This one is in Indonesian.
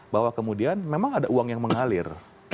bahwa kemudian memang ada uang yang mengalir